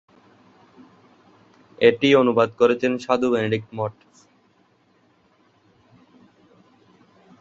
এটি অনুবাদ করেছেন সাধু বেনেডিক্ট মঠ।